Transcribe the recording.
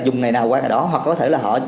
dùng ngày nào qua ngày đó hoặc có thể là họ